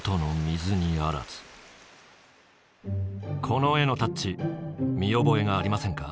この絵のタッチ見覚えがありませんか？